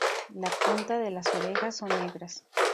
La punta de las orejas son negras.